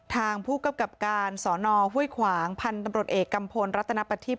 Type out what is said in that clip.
ทางผู้กับการสนฮุ้ยขวางพันธ์ตำรวจเอกกำพลรัฐนปฏิภิพย์